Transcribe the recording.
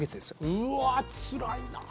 うわつらいな。